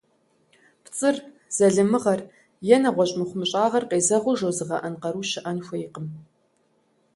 ПцӀыр, залымыгъэр е нэгъуэщӀ мыхъумыщӀагъэр къезэгъыу жозыгъэӀэн къару щыӀэн хуейкъым.